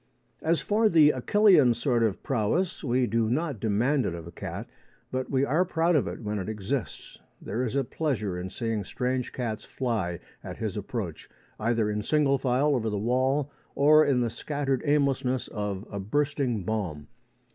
As for the Achillean sort of prowess, we do not demand it of a cat, but we are proud of it when it exists. There is a pleasure in seeing strange cats fly at his approach, either in single file over the wall or in the scattered aimlessness of a bursting bomb.